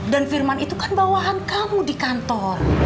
dan firman itu kan bawahan kamu di kantor